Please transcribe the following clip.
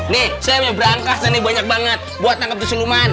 nih saya yang berangkas dan nih banyak banget buat nangkep si lumani